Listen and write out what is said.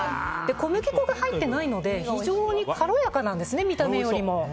小麦粉が入っていないので非常に軽やかなんです、見た目より。